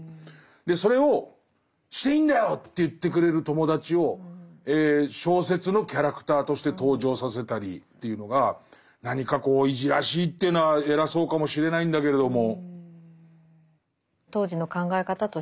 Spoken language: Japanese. それをしていいんだよと言ってくれる友達を小説のキャラクターとして登場させたりというのが何かこういじらしいっていうのは偉そうかもしれないんだけれども。